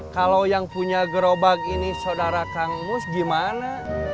kalau yang punya gerobak ini saudara kangus gimana